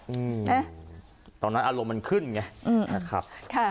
อืมนะตอนนั้นอารมณ์มันขึ้นไงอืมนะครับค่ะ